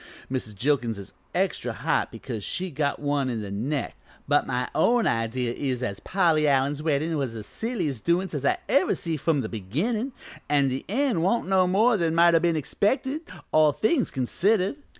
Mrs. Jilkins is extra hot because she got one in the neck, but my own idea is as Polly Allen's weddin' was the silliest doin's as I ever see from the beginnin', an' the end wan't no more than might o' been expected all things considered.